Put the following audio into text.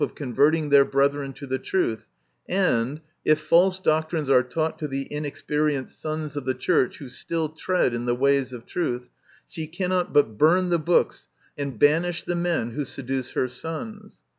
139 of converting their brethren to the truth, and, if false doctrines are taught to the inexperienced sons of the Church who still tread in the ways of truth, she cannot but burn the books and banish the men who seduce her sons.